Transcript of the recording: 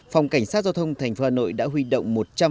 phòng cảnh sát giao thông thành phố hà nội đã huy động một trăm linh